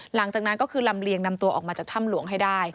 หลังจากนั้นก็คือลำเลียงนำตัวออกมาจากถ้ำหลวงให้ได้